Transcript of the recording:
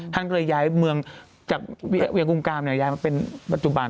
ท่านก็เลยย้ายเมืองจากเวียงกุมกามย้ายมาเป็นปัจจุบัน